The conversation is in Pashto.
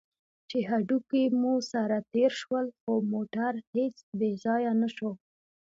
چې هډوکي مو سره تېر شول، خو موټر هېڅ بې ځایه نه شو.